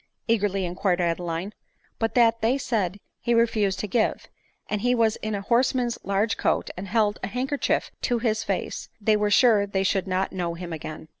eagerly inquired Adeline ; but that they said he refused to give ; and as he was in a horseman's large coat, and held a handkerchief to his face, they were sure they should not know him again.